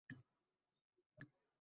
Qaytib kelgani yo‘q.